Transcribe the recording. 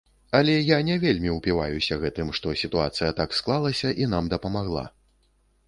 Але я не вельмі ўпіваюся гэтым, што сітуацыя так склалася і нам дапамагла.